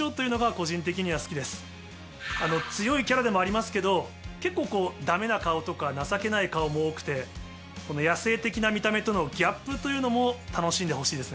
個人的には好きです強いキャラでもありますけど結構ダメな顔とか情けない顔も多くて野性的な見た目とのギャップというのも楽しんでほしいですね。